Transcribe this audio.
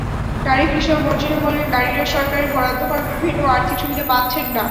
নারী কৃষক মর্জিনা বললেন, নারীরা সরকারের বরাদ্দ করা বিভিন্ন আর্থিক সুবিধা পাচ্ছেন না।